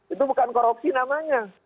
itu bukan korupsi namanya